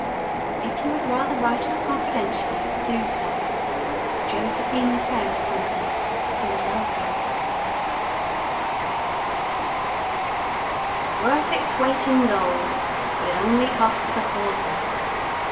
If you would rather write us confidentially do so. Josephine LeFevre Co., Phila. Worth Its Weight In Gold But It Only Costs a Quarter DR.